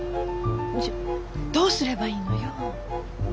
じゃあどうすればいいのよ。